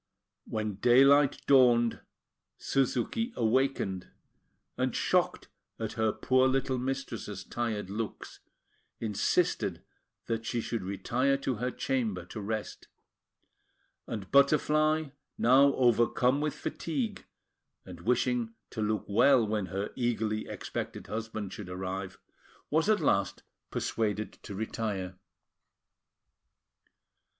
When daylight dawned, Suzuki awakened, and, shocked at her poor little mistress's tired looks, insisted that she should retire to her chamber to rest; and Butterfly, now overcome with fatigue, and wishing to look well when her eagerly expected husband should arrive, was at last persuaded to retire.